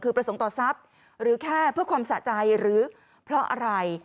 คือประสงค์ต่อทรัพย์หรือแค่เพื่อความสะใจหรือเพราะอะไร